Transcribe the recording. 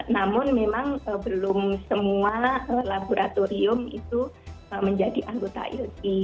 namun memang belum semua laboratorium itu menjadi anggota ilki